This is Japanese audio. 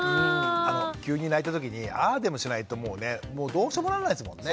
急に泣いたときにああでもしないともうどうしようもなんないですもんね。